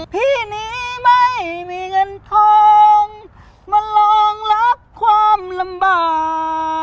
พี่นี้ไม่มีเงินทองมารองรับความลำบาก